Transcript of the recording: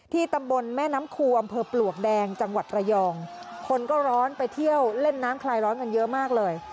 ตำบลแม่น้ำคูอำเภอปลวกแดงจังหวัดระยองคนก็ร้อนไปเที่ยวเล่นน้ำคลายร้อนกันเยอะมากเลย